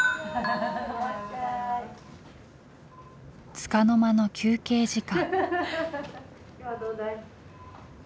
つかの間の休憩時間。